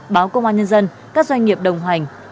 báo công an nhân dân các doanh nghiệp đồng hành